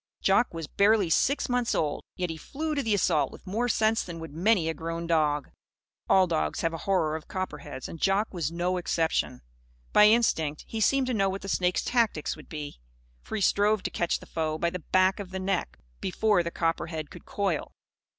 Jock was barely six months old. Yet he flew to the assault with more sense than would many a grown dog. All dogs have a horror of copperheads, and Jock was no exception. By instinct, he seemed to know what the snake's tactics would be. For he strove to catch the foe by the back of the neck, before the copperhead could coil.